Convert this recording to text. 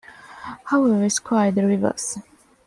However, it is quite the reverse.